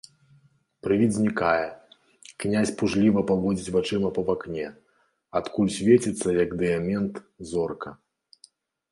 Прывід знікае, князь пужліва паводзіць вачыма па акне, адкуль свеціцца, як дыямент, зорка.